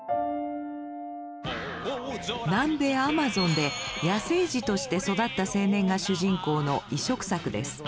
南米アマゾンで野生児として育った青年が主人公の異色作です。